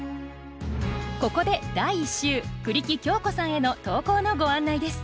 ここで第１週栗木京子さんへの投稿のご案内です。